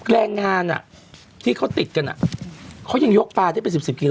แรงงานอ่ะที่เขาติดกันอ่ะเขายังยกปลาได้เป็นสิบสิบกิโล